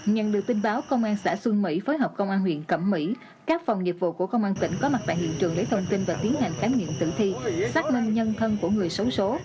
nhận được tin báo công an xã xuân mỹ phối hợp công an huyện cẩm mỹ các phòng nghiệp vụ của công an tỉnh có mặt tại hiện trường lấy thông tin và tiến hành khám nghiệm tử thi xác minh nhân thân của người xấu xố